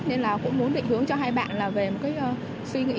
nên là cũng muốn định hướng cho hai bạn là về một cái suy nghĩ